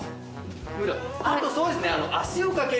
あとそうですね。